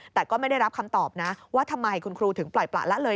แต่ก็ไม่ได้รับคำตอบนะว่าทำไมคุณครูถึงปล่อยประละเลย